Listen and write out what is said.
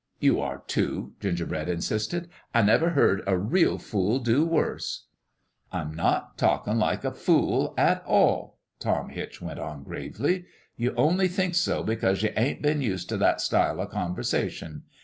"You are, too," Gingerbread insisted. "I never heard a real fool do worse." " I'm not talkin' like a fool, at all," Tom Hitch went on, gravely. " You only think so because you ain't been used t' that style o' conversation.